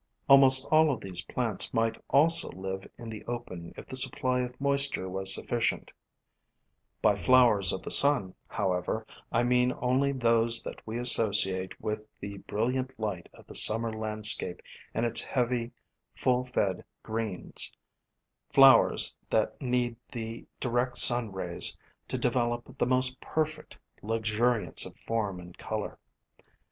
Almost all of these plants might also live in the open if the supply of moisture was sufficient. By 222 FLOWERS OF THE SUN flowers of the sun, however, I mean only those that we associate with the brilliant light of the summer landscape and its heavy, full fed greens — flowers that need the direct sun rays to develop the most perfect luxuriance of form and color.